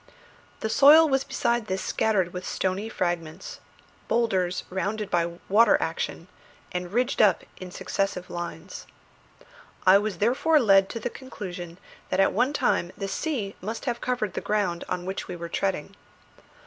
The soil was besides this scattered with stony fragments, boulders rounded by water action, and ridged up in successive lines. I was therefore led to the conclusion that at one time the sea must have covered the ground on which we were treading.